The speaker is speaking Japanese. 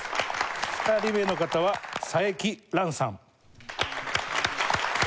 ２人目の方は佐伯藍さん。